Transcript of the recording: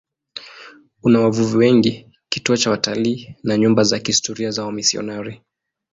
Una wavuvi wengi, kituo cha watalii na nyumba za kihistoria za wamisionari.